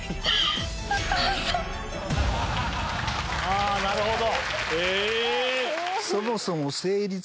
あなるほど。